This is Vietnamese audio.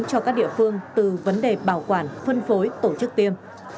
cho các địa phương từ vấn đề bảo quản phân phối tổ chức tiêm